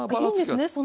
いいんですね